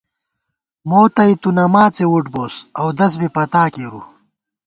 موتَئ تُو نماڅے وُٹ بوس، اودَس بی پتا کېرُو